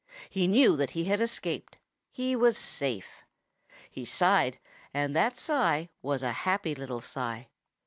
He knew that he had escaped. He was safe. He sighed, and that sigh was a happy little sigh.